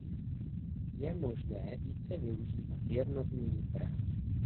Je možné více využívat jednotný trh.